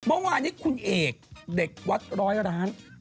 บอกว่าอันนี้คุณเอกเด็กวัดร้อยร้าน